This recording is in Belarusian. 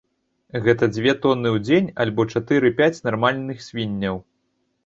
Гэта дзве тоны ў дзень, альбо чатыры-пяць нармальных свінняў.